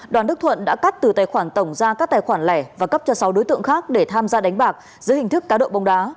đoàn đức thuận đã cắt từ tài khoản tổng ra các tài khoản lẻ và cấp cho sáu đối tượng khác để tham gia đánh bạc dưới hình thức cá độ bóng đá